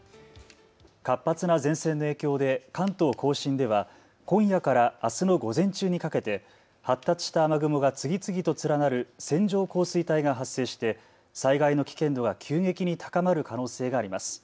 活発な前線の影響で関東甲信では今夜からあすの午前中にかけて発達した雨雲が次々と連なる線状降水帯が発生して災害の危険度が急激に高まる可能性があります。